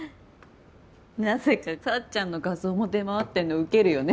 なぜか幸ちゃんの画像も出回ってんのウケるよね。